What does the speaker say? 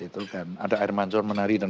itu kan ada air mancur menari dan